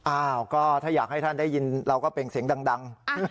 อ้าวก็ถ้าอยากให้ท่านได้ยินเราก็เป็นเสียงดัง